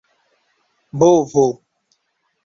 bovo